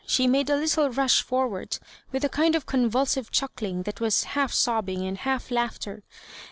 She made a little rush forward, with a kind of convulsive chuckling that was half sobbing and half laugh ter.